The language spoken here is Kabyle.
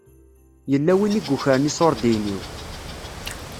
Yella win i yukren iṣuṛdiyen-iw.